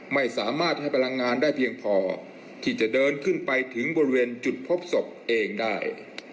ไม่สามารถให้พลังงานได้เพียงพอที่จะเดินขึ้นไปถึงบริเวณจุดพบศพเองได้